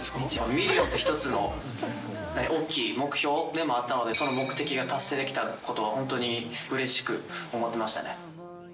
ミリオンって一つの大きい目標でもあったので、その目的が達成できたことは本当にうれしく思ってましたね。